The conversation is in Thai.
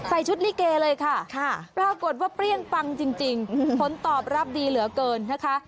ชุดลิเกเลยค่ะปรากฏว่าเปรี้ยงปังจริงผลตอบรับดีเหลือเกินนะคะ